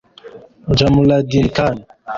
Jamaluddin Khan